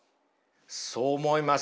そう思います。